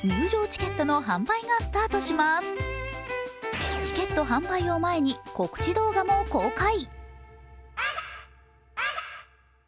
チケット販売を前に告知動画も公開。